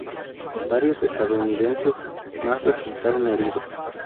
Varios estadounidenses más resultaron heridos.